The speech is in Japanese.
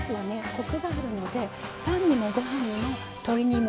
コクがあるのでパンにもご飯にも鶏にも。